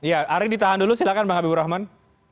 ya arief ditahan dulu silakan bang habibur rahman